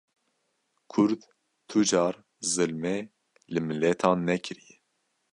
Kurd tu car zilmê li miletan nekiriye